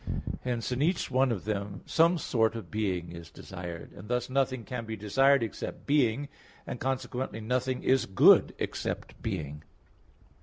Hence, in each one of them some sort of being is desired. And thus nothing can be desired except being; and consequently nothing is good except being.